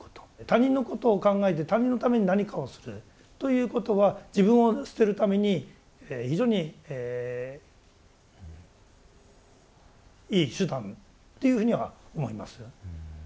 他人のことを考えて他人のために何かをするということは自分を捨てるために非常にいい手段っていうふうには思います。